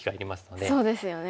そうですよね。